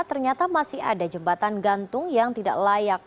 ternyata masih ada jembatan gantung yang tidak layak